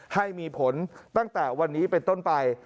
ให้มีผลตั้งแต่วันนี้เป็นต้นไป